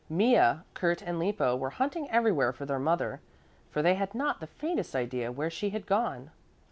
Mea, Kurt and Lippo were hunting everywhere for their mother, for they had not the faintest idea where she had gone.